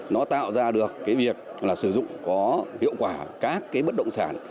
nó tạo ra được cái việc là sử dụng có hiệu quả các cái bất động sản